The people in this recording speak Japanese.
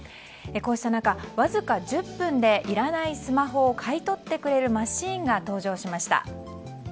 こうした中、わずか１０分でいらないスマホを買い取ってくれるマシンが登場しました。